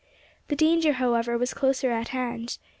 The danger, however, was closer at hand.